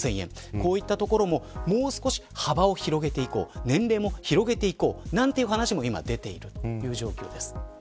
こういったところももう少し幅を広げていこう年齢も広げていこうという話も出ている状況です。